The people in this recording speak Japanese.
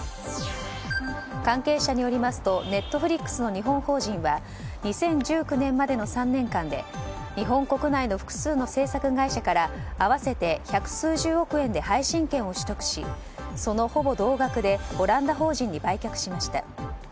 関係者によりますとＮｅｔｆｌｉｘの日本法人は２０１９年までの３年間で日本国内の複数の制作会社から合わせて百数十億円で配信権を取得しそのほぼ同額でオランダ法人に売却しました。